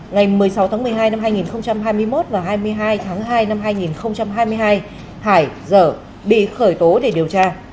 ngày một mươi sáu tháng một mươi hai năm hai nghìn hai mươi một và hai mươi hai tháng hai năm hai nghìn hai mươi hai hải dở bị khởi tố để điều tra